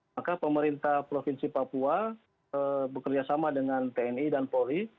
maka pemerintah provinsi papua bekerjasama dengan tni dan polri